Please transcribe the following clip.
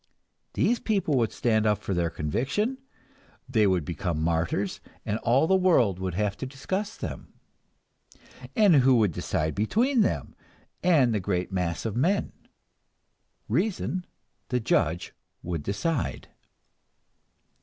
These people would stand up for their conviction, they would become martyrs, and all the world would have to discuss them. And who would decide between them and the great mass of men? Reason, the judge, would decide.